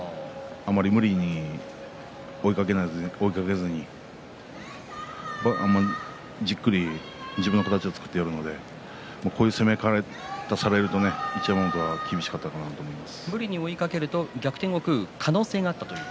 あまり無理に追いかけないでじっくり自分の形を作っていくのでこういう攻め方をされると一山本は厳しかったんだと思います。